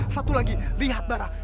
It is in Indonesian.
satu lagi lihat barah